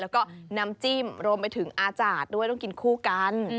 แล้วก็น้ำจิ้มรวมไปถึงอาจารย์ด้วยต้องกินคู่กัน